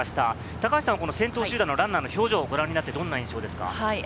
高橋さんは先頭集団のランナーの表情をご覧になってどんな印象ですか？